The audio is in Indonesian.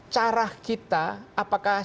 cara kita apakah